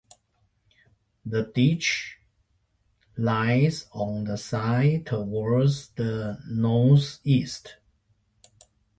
The ditch lies on the side towards the northeast.